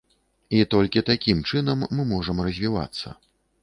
І толькі такім чынам мы можам развівацца.